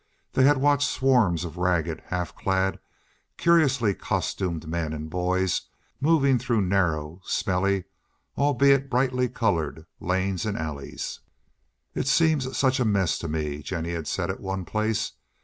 They had watched swarms of ragged, half clad, curiously costumed men and boys moving through narrow, smelly, albeit brightly colored, lanes and alleys. "It all seems such a mess to me," Jennie had said at one place.